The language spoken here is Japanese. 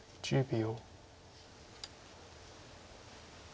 １０秒。